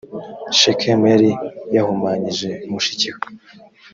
shekemu yari yahumanyije mushikiwe.